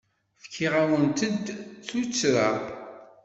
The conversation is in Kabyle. Fkiɣ-awent-d tuttra.